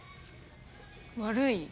悪い？